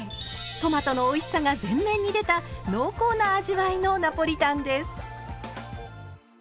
トマトのおいしさが全面に出た濃厚な味わいのナポリタンです。